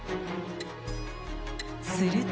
すると。